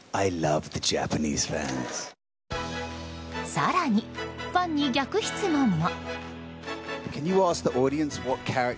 更に、ファンに逆質問も！